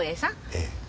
ええ。